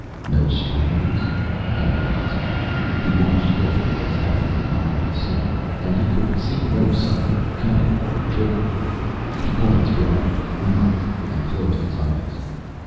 "No strings?" Henry asked. He watched carefully as Alféar nodded assent, and he could see no sign of cunning or trickery. He caught his breath, nodded, and closed his eyes.